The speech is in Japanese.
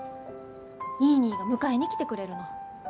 ニーニーが迎えに来てくれるの。